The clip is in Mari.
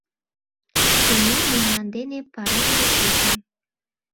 Тений мемнан дене пареҥге шочын.